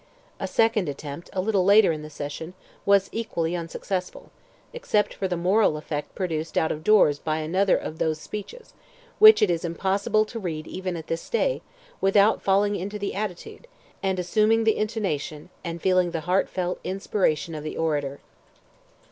A second attempt, a little later in the session, was equally unsuccessful, except for the moral effect produced out of doors by another of those speeches, which it is impossible to read even at this day, without falling into the attitude, and assuming the intonation, and feeling the heartfelt inspiration of the orator.